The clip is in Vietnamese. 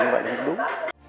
như vậy thì đúng